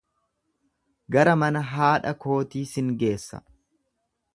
Gara mana haadha kootii sin geessa.